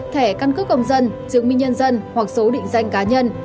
thẻ căn cước công dân chứng minh nhân dân hoặc số định danh cá nhân